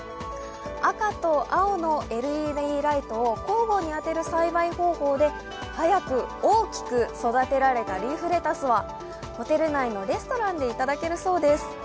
赤と青のＬＥＤライトを交互に当てる栽培方法で早く、大きく育てられたリーフレタスはホテル内のレストランでいただけるそうです。